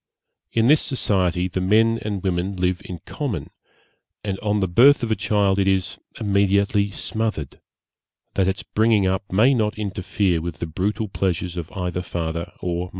In this society the men and women live in common; and on the birth of a child it is immediately smothered, that its bringing up may not interfere with the brutal pleasures of either father or mother.